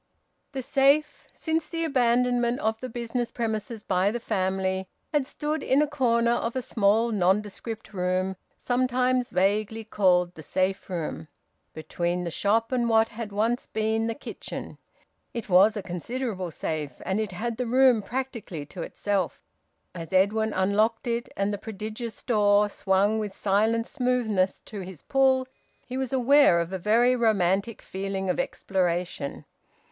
The safe, since the abandonment of the business premises by the family, had stood in a corner of a small nondescript room, sometimes vaguely called the safe room, between the shop and what had once been the kitchen. It was a considerable safe, and it had the room practically to itself. As Edwin unlocked it, and the prodigious door swung with silent smoothness to his pull, he was aware of a very romantic feeling of exploration.